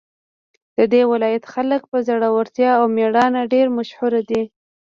د دې ولایت خلک په زړورتیا او میړانه ډېر مشهور دي